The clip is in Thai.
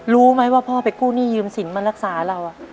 รู้ไหมว่าพ่อไปกู้หนี้ยืมสินมารักษาเรา